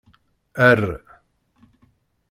Err.